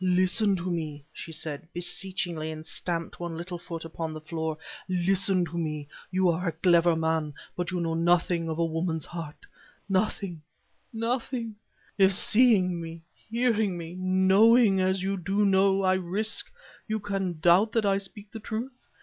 "Listen to me!" she said, beseechingly and stamped one little foot upon the floor "listen to me! You are a clever man, but you know nothing of a woman's heart nothing nothing if seeing me, hearing me, knowing, as you do know, I risk, you can doubt that I speak the truth.